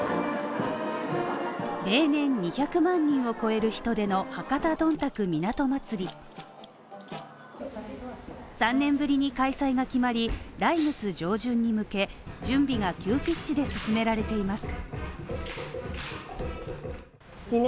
例年２００万人を超える人出の博多どんたく港まつり３年ぶりに開催が決まり、来月上旬に向け準備が急ピッチで進められています。